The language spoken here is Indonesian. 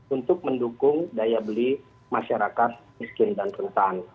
untuk mendukung daya beli masyarakat miskin dan rentan